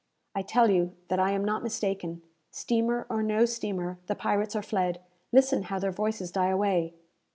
"I tell you that I am not mistaken. Steamer or no steamer, the pirates are fled! Listen how their voices die away."